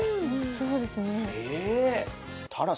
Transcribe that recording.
そうですね。